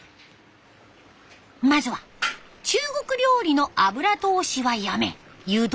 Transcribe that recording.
まずは中国料理の油通しはやめ湯通し。